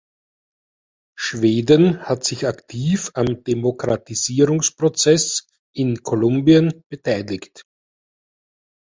Schweden hat sich aktiv am Demokratisierungsprozess in Kolumbien beteiligt.